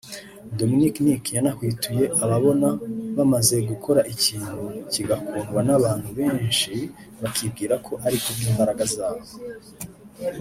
Dominic Nic yanahwituye ababona bamaze gukora ikintu kigakundwa n’abantu benshi bakibwira ko ari ku bw’imbaraga zabo